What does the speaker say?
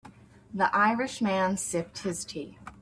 The Irish man sipped his tea.